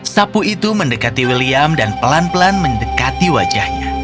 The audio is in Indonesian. sapu itu mendekati william dan pelan pelan mendekati wajahnya